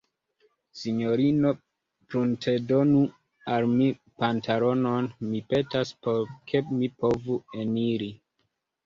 Sinjorino, pruntedonu al mi pantalonon, mi petas, por ke mi povu eniri.